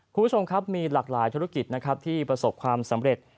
คุณผู้ชมครับมีหลากหลายธุรกิจนะครับที่ประสบความสำเร็จ